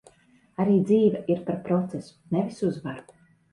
Arī dzīve ir par procesu, nevis uzvaru.